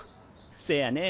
せやね。